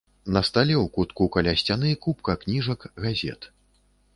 На стале ў кутку каля сцяны купка кніжак, газет.